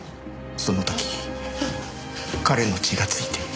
その時彼の血がついて。